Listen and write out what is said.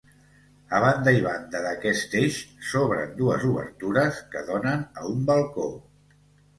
A banda i banda d'aquest eix s'obren dues obertures que donen a un balcó.